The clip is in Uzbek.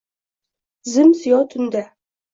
Zim-ziyo tunda